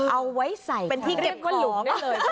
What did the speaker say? เอาไว้ใส่เป็นที่เก็บของ